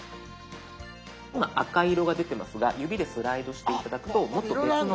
今赤色が出てますが指でスライドして頂くともっと別の。